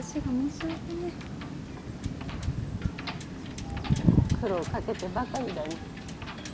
・でも苦労かけてばかりだに。